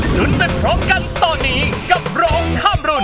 จนเป็นพร้อมกันตอนนี้กับโลกข้ามรุ่น